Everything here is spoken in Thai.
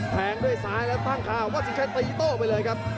แทงด้วยซ้ายแล้วตั้งคาวัดสินชัยตีโต้ไปเลยครับ